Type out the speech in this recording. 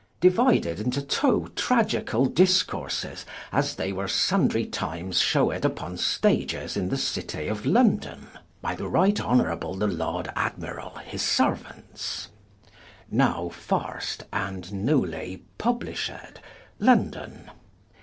Deuided into two Tragicall Discourses, as they were sundrie times shewed vpon Stages in the Citie of London. By the right honorable the Lord Admyrall, his seruauntes. Now first, and newlie published. London.